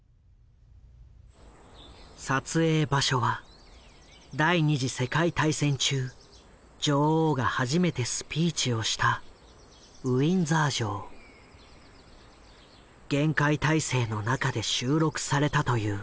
撮影場所は第二次世界大戦中女王が初めてスピーチをした厳戒態勢の中で収録されたという。